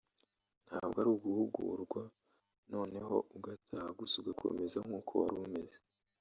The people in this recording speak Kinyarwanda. Ntabwo ari uguhugurwa none ho ugataha gusa ugakomeza nk’uko wari umeze